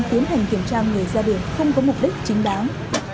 không có mục đích chính đáng